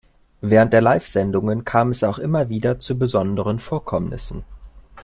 Während der Live-Sendungen kam es auch immer wieder zu besonderen Vorkommnissen.